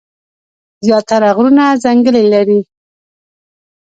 زيات تره غرونه ځنګلې لري ـ